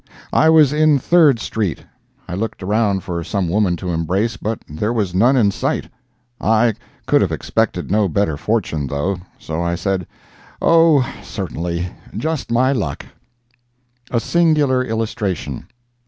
I was in Third street. I looked around for some woman to embrace, but there was none in sight. I could have expected no better fortune, though, so I said, "O certainly—just my luck." A SINGULAR ILLUSTRATION.